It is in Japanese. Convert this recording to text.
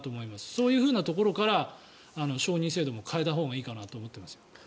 そういうところから承認制度も変えたほうがいいかなと思っています。